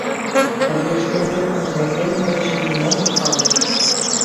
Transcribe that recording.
Тыге ыштен кертмыж нерген мый эше нимом ом пале.